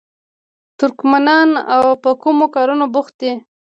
ترکمنان په کومو کارونو بوخت دي؟